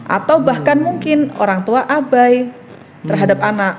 atau bahkan mungkin orang tua abai terhadap anak